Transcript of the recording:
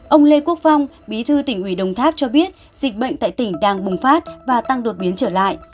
ông lê quốc phong bí thư tỉnh ủy đồng tháp cho biết dịch bệnh tại tỉnh đang bùng phát và tăng đột biến trở lại